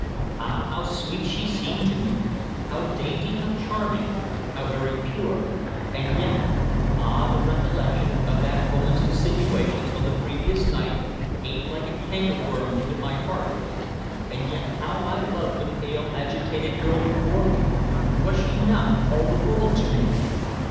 Ah! how sweet she seemed to me, how dainty, how charming, how very pure. And yet? Ah! the recollection of that woman's insinuations on the previous night ate like a canker worm into my heart. And yet how I loved the pale, agitated girl before me! Was she not all the world to me?